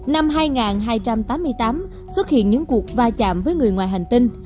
năm hai nghìn hai trăm tám mươi tám xuất hiện những cuộc va chạm với người ngoài hành tinh